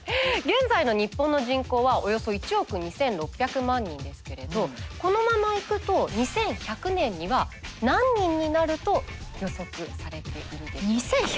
現在の日本の人口はおよそ１億２，６００万人ですけれどこのままいくと２１００年には何人になると予測されているでしょうか。